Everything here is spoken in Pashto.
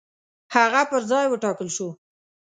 هغه پر ځای وټاکل شو.